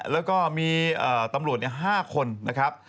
แล้วก็มีตำรวจ๕คนนะครับ